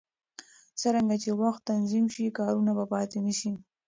څرنګه چې وخت تنظیم شي، کارونه به پاتې نه شي.